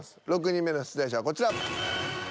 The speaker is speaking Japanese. ６人目の出題者はこちら。